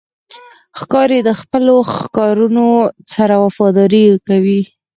ښکاري د خپلو ښکارونو سره وفاداري کوي.